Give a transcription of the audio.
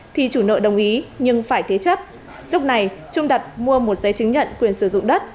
thì chủ nợ đồng ý nhưng phải thế chấp lúc này trung đặt mua một giấy chứng nhận quyền sử dụng đất